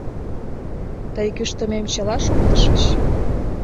— Тый кӱштымем чыла шуктышыч?!